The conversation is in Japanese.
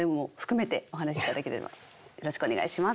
よろしくお願いします。